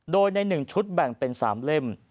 โดยใน๑ชุดแบ่งเป็น๓เล่ม